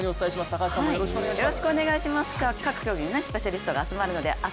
高橋さんもよろしくお願いします。